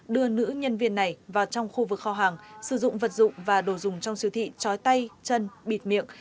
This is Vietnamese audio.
đưa nữ nhân viên này vào trong khu vực kho hàng sử dụng vật dụng và đồ dùng trong siêu thị trói tay chân bịt miệng